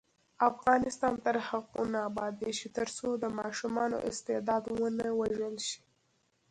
افغانستان تر هغو نه ابادیږي، ترڅو د ماشوم استعداد ونه وژل شي.